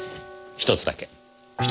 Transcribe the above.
ひとつだけ？